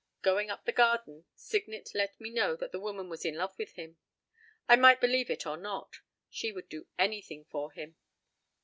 p> Going up the garden, Signet let me know that the woman was in love with him. I might believe it or not. She would do anything for him.